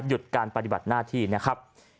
หยุดการปฏิบัติหน้าที่นะครับ